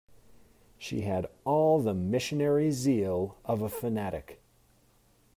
She had all the missionary zeal of a fanatic.